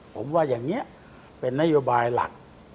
ผมว่าอย่างนี้เป็นนโยบายหลัก